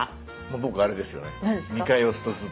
僕あれですよね。